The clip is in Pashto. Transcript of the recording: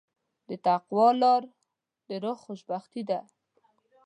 د تقوی لاره د روح خوشبختي ده.